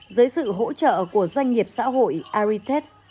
dưới sự hỗ trợ của doanh nghiệp xã hội aritex